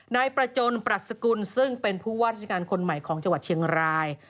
นายประจนปรัชกุลซึ่งเป็นผู้ว่าราชการคนใหม่ของจังหวัดเชียงราย